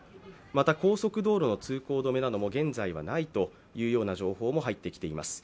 また高速道路の通行止めなども現在ないというような情報も入ってきています。